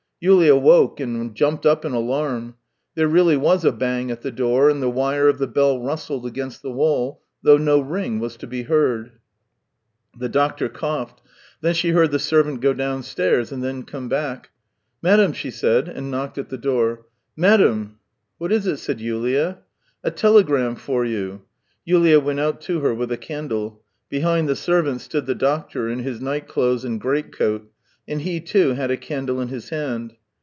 Yulia woke and jumped up in alarm. There really was a bang at the door, and the wire of the bell rustled against the wall, though no ring was to be heard. The doctor coughed. Then she heard the servant go downstairs, and then come back. " Madam !" she said, and knocked at the door. " Madam !"" What is it ?" said Yulia. " A telegram for you !" Yulia went out to her with a candle. Behind the servant stood the doctor, in his night clothes and greatcoat, and he, too, had a candle in his hand.